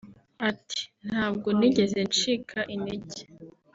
Ati “Ntabwo nigeze ncika intege